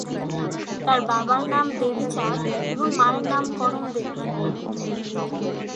তার বাবার নাম দেবী চাঁদ এবং মায়ের নাম করণ দেবী।